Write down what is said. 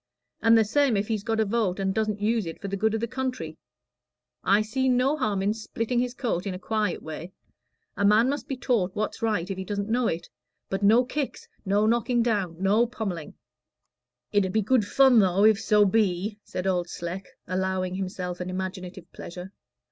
And the same if he's got a vote and doesn't use it for the good of the country; I see no harm in splitting his coat in a quiet way. A man must be taught what's right if he doesn't know it. But no kicks, no knocking down, no pommelling." "It 'ud be good fun, though, if so be," said Old Sleck, allowing himself an imaginative pleasure.